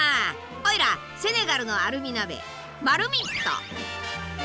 おいらセネガルのアルミ鍋マルミット！